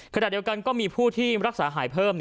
ขณะเดียวกันก็มีผู้ที่รักษาหายเพิ่ม